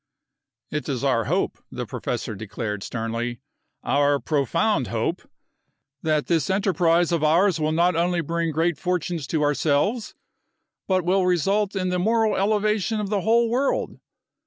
"It is our hope," the professor declared, sternly, "our profound hope, that this enterprise of ours will not only bring great fortunes to ourselves but will result in the moral elevation of the whole world.